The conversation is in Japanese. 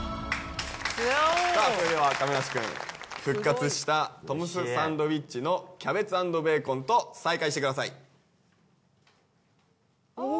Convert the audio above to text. さあそれでは亀梨くん復活したトムスサンドウィッチのキャベツ＆ベーコンと再会してくださいお！